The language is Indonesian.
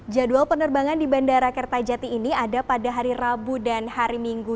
jadwal penerbangan di bandara kertajati ini ada pada hari rabu dan hari minggu